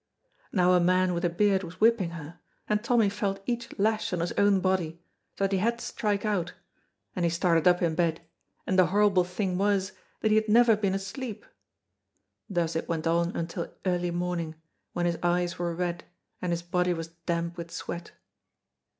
Now a man with a beard was whipping her, and Tommy felt each lash on his own body, so that he had to strike out, and he started up in bed, and the horrible thing was that he had never been asleep. Thus it went on until early morning, when his eyes were red and his body was damp with sweat.